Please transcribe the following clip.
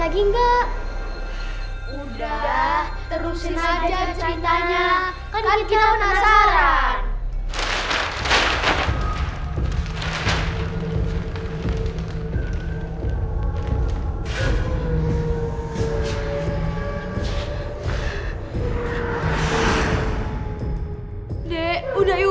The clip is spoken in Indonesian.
aku gak kuat disini deh